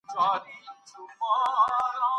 دا کارونه د دولت د کمزورۍ سبب کیږي.